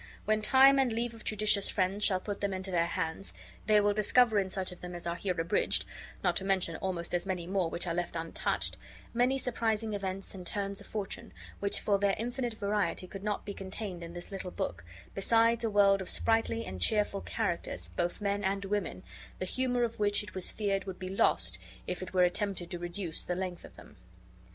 When time and leave of judicious friends shall put them into their hands, they will discover in such of them as are here abridged (not to mention almost as many more, which are left untouched) many surprising events and turns of fortune, which for their infinite variety could not be contained in this little book, besides a world of sprightly and cheerful characters, both men and women, the humor of which it was feared would be lost if it were attempted to reduce the length of them.